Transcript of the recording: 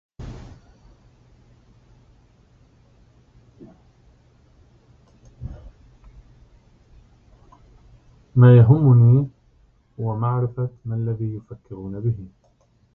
ما يهمني هو معرفة ما الذي يفكرون به.